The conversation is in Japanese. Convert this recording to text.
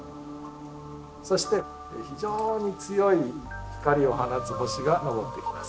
そして非常に強い光を放つ星が昇ってきます。